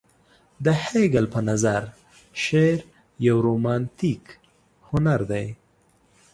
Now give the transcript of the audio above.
د هګل په نظر شعر يو رومانتيک هنر دى.